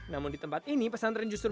namun di tempat ini pesantren justru